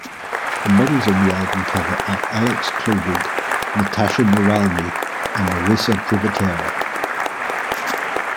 The models on the album cover are Alex Klobouk, Natasha Noramly, and Marisa Privitera.